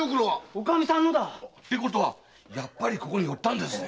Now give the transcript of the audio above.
おかみさんのだ。ってことはやっぱりここに寄ったんですぜ。